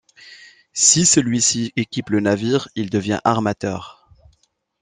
Si celui-ci équipe le navire, il devient armateur.